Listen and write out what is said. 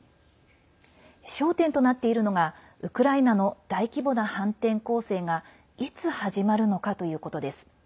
焦点となっているのがウクライナの大規模な反転攻勢がいつ始まるのかということです。